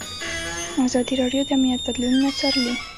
ازادي راډیو د امنیت بدلونونه څارلي.